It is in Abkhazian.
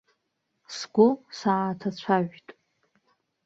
Сгәы сааҭацәажәт.